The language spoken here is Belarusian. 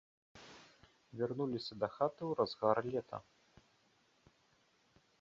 Вярнуліся дахаты ў разгар лета.